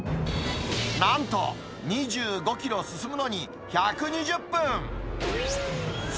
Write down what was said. なんと、２５キロ進むのに１２０分。